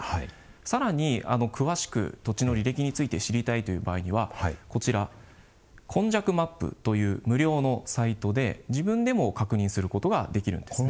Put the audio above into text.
さらに詳しく土地の履歴について知りたいという場合にはこちら「今昔マップ」という無料のサイトで自分でも確認することができるんですね。